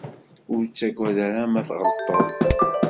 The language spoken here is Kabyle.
Ur ttaggad ara ma tɣelḍeḍ.